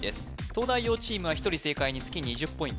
東大王チームは１人正解につき２０ポイント